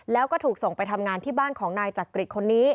แล้วก็ถูกส่งไปทำงานที่บ้านของนายจักริตคนนี้